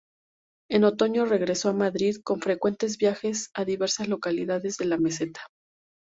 En otoño regresó a Madrid, con frecuentes viajes a diversas localidades de la meseta.